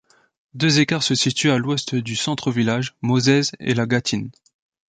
Deux écarts se situent à l'ouest du centre-village, Mauzaize et la Gâtine.